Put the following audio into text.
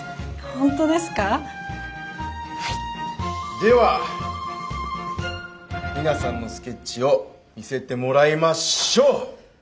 では皆さんのスケッチを見せてもらいましょう。